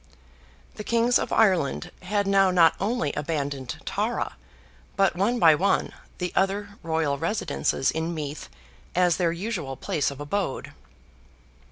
The Kings of Ireland had now not only abandoned Tara, but one by one, the other royal residences in Meath as their usual place of abode.